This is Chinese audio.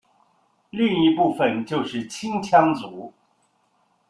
另一部分就是青羌族。